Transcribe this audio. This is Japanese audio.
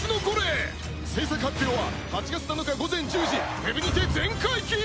制作発表は８月７日午前１０時 ＷＥＢ にて全解禁！